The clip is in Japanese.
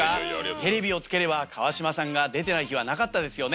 テレビをつければ川島さんが出てない日はなかったですよね。